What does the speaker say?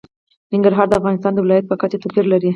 ننګرهار د افغانستان د ولایاتو په کچه توپیر لري.